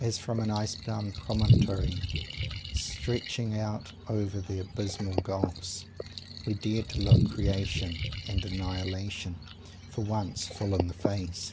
As from an ice bound promontory stretching out over the abysmal gulfs, we dare to look Creation and Annihilation, for once, full in the face.